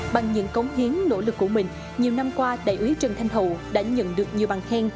bằng những cống hiến nỗ lực của mình nhiều năm qua đại úy trần thanh hậu đã nhận được nhiều bằng khen